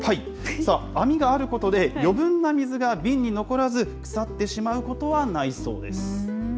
さあ、網があることで、余分な水が瓶に残らず、腐ってしまうことはないそうです。